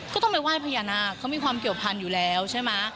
ก็ต้องไปไหว้พญานาคเขามีความเกี่ยวพันธุ์อยู่แล้วใช่ไหม